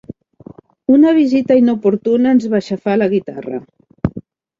Una visita inoportuna ens va aixafar la guitarra.